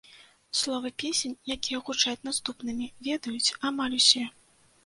Словы песень, якія гучаць наступнымі, ведаюць амаль усе.